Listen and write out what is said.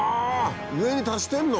上に足してるの？